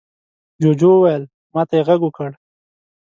جوجو وويل: ما ته يې غږ وکړ.